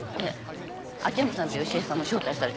秋山さんと良恵さんも招待されたの。